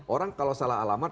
orang kalau salah alamat